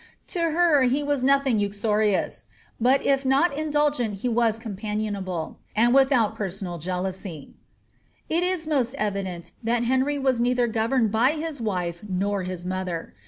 To her he was nothing norious ; but if not indulgent he was companionable, and without per^ •ooal jealousy." It is most evident that Henry was neither governed by his wife nor his mother.